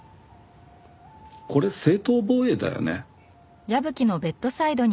これ正当防衛だよね？